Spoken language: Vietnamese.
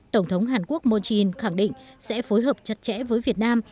tổng thống hàn quốc moon jae in khẳng định sẽ phối hợp chặt chẽ với việt nam